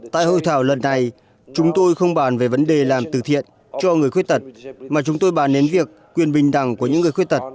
tại hội thảo lần này chúng tôi không bàn về vấn đề làm từ thiện cho người khuyết tật mà chúng tôi bàn đến việc quyền bình đẳng của những người khuyết tật